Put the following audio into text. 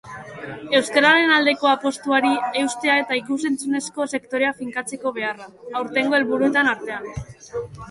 Euskararen aldeko apustuari eustea eta ikus-entzunezko sektorea finkatzeko beharra, aurtengo helburuen artean.